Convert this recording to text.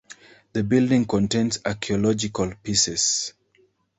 The building contains archaeological pieces.